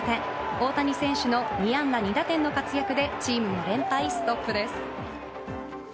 大谷選手の２安打２打点の活躍でチームも連敗ストップです。